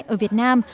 ở việt nam